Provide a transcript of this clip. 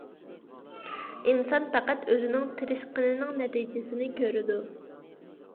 ئىنسان پەقەت ئۆزىنىڭ تىرىشقىنىنىڭ نەتىجىسىنى كۆرىدۇ.